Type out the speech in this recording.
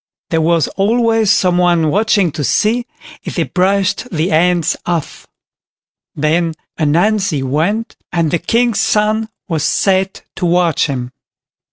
There was always someone watching to see if they brushed the ants off. Then Ananzi went, and the King's son was set to watch him.